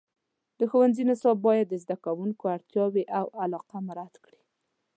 د ښوونځي نصاب باید د زده کوونکو اړتیاوې او علاقه مراعات کړي.